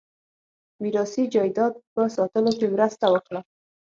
میراثي جایداد په ساتلو کې مرسته وکړه.